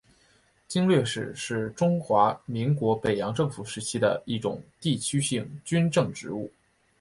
经略使是中华民国北洋政府时期的一种地区性军政职务。